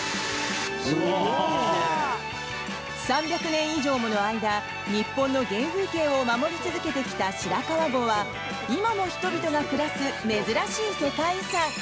３００年以上もの間日本の原風景を守り続けてきた白川郷は今も人々が暮らす珍しい世界遺産。